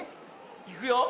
いくよ。